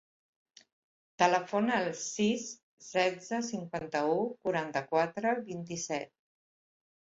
Telefona al sis, setze, cinquanta-u, quaranta-quatre, vint-i-set.